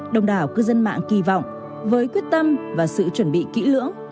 đồng đảo cư dân mạng kỳ vọng với quyết tâm và sự chuẩn bị kỹ lưỡng